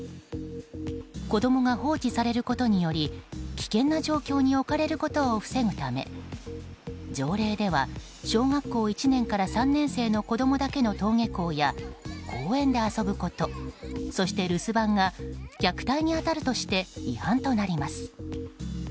子供が放置されることにより危険な状況に置かれることを防ぐため条例では小学校１年から３年生の子供だけでの登下校や公園で遊ぶことそして留守番が虐待に当たるとして違反となります。